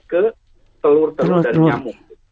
ke telur telur dan nyamuk